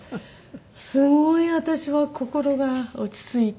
すごい私は心が落ち着いて。